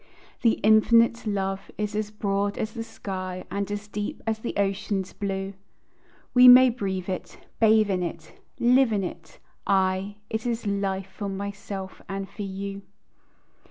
The infinite love is as broad as the sky, And as deep as the ocean's blue, We may breathe it, bathe in it, live in it, aye, It is life for myself and for you.